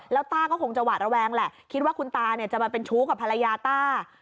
แล้วต้าก็คงจะหวาดระแวงแหละคิดว่าคุณตาเนี่ยจะมาเป็นชู้กับภรรยาต้า